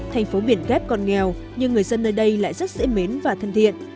thành phố biển kép còn nghèo nhưng người dân nơi đây lại rất dễ mến và thân thiện